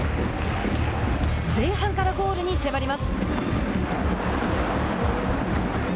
前半からゴールに迫ります。